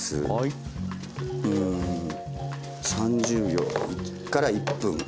３０秒から１分。